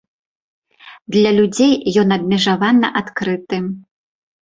Для людзей ён абмежавана адкрыты.